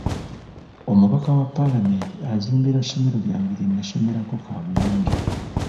Omubaka wa palamenti azimbira ssomero lyange lye nnasomerako kaabuyonjo.